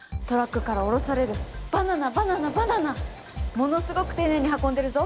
ものすごく丁寧に運んでるぞ！